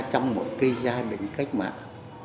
trong một gia đình cách mạng